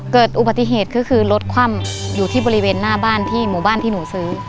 เกิดอุบัติเหตุก็คือรถคว่ำอยู่ที่บริเวณหน้าบ้านที่หมู่บ้านที่หนูซื้อ